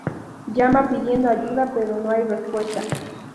Llama pidiendo ayuda, pero no hay respuesta.